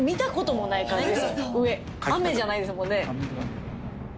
上「雨」じゃないですもんね。